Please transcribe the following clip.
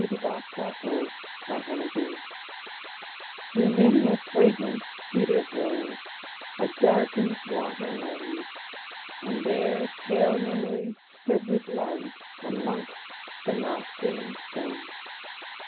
Ella with the Shining Hair Through many a fragrant cedar grove A darkened water moans; And there pale Memory stood with Love Amongst the moss green stones.